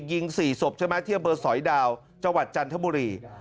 ยิง๔ศพใช่ไหมที่อำเภอสอยดาวจังหวัดจันทบุรี